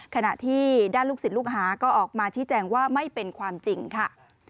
ขณะที่ด้านลูกศิษย์ลูกหาก็ออกมาชี้แจงว่าไม่เป็นความจริงค่ะ